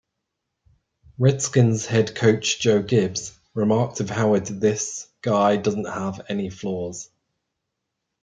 Redskins head coach Joe Gibbs remarked of Howard This guy doesn't have any flaws.